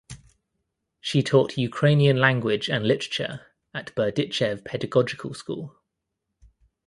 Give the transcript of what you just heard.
She taught Ukrainian language and literature at Berdichev Pedagogical School.